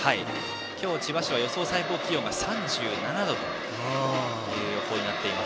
今日、千葉市は予想最高気温が３７度という予報になっています。